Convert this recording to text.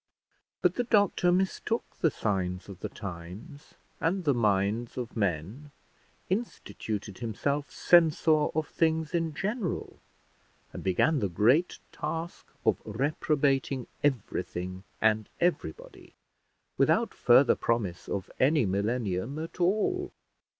But the doctor mistook the signs of the times and the minds of men, instituted himself censor of things in general, and began the great task of reprobating everything and everybody, without further promise of any millennium at all.